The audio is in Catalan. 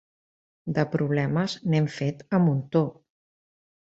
De problemes, n'hem fet a muntó.